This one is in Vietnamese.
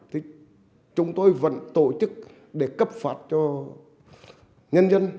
thì chúng tôi vẫn tổ chức để cấp phát cho nhân dân